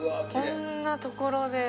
こんな所で。